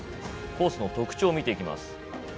コースの特徴見ていきます。